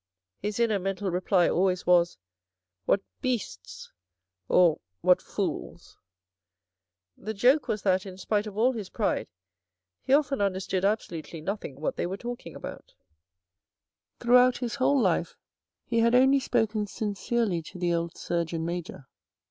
His inner mental reply always was, "What beasts or what fools !" The joke was that, in spite of all his pride, he often understood absolutely nothing what they were talking about. 44 THE RED AND THE BLACK Throughout his whole life he had only spoken sincerely to the old Surgeon Major.